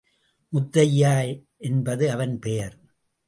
முத்தையா என்பது அவன் பெயர்.